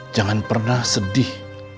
jangan pernah sedih